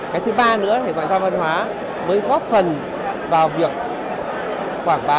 cái thứ ba nữa thì ngoại giao văn hóa mới góp phần vào việc quảng bá